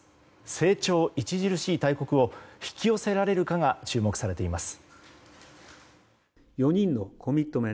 成長著しい大国を引き寄せられるかが注目されています。